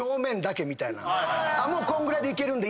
もうこんぐらいでいけるんで。